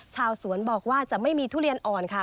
ชาวสวนบอกว่าจะไม่มีทุเรียนอ่อนค่ะ